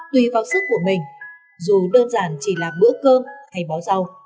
tùy vào sức của mình dù đơn giản chỉ là bữa cơm hay bó rau